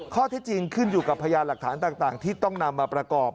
ข้อที่จริงขึ้นอยู่กับพยานหลักฐานต่างที่ต้องนำมาประกอบ